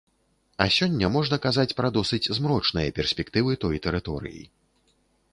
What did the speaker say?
А сёння можна казаць пра досыць змрочныя перспектывы той тэрыторыі.